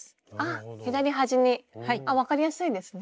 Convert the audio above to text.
左端に分かりやすいですね。